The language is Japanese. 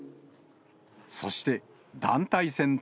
そして団体戦